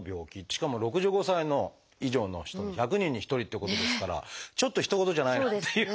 しかも６５歳以上の人の１００人に１人っていうことですからちょっとひと事じゃないなっていう。